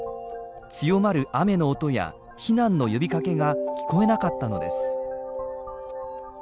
強まる雨の音や避難の呼びかけが聞こえなかったのです。